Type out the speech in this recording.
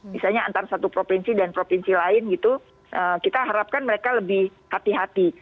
misalnya antara satu provinsi dan provinsi lain gitu kita harapkan mereka lebih hati hati